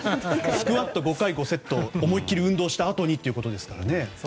スクワット５回５セット思いっきり運動したあとにってことですからね。